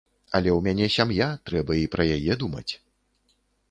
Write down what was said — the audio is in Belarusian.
Але ў мяне сям'я, трэба і пра яе думаць.